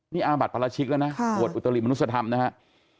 นี่อาบัติปราชิกแล้วนะบวชอุตริมนุษยธรรมนะครับ